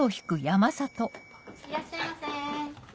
いらっしゃいませ。